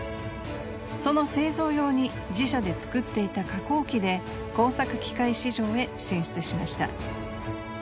その製造用に自社で作っていた加工機で工作機械市場へ進出しました。